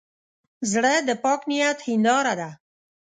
زړه د پاک نیت هنداره ده.